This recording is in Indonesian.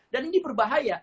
dan ini berbahaya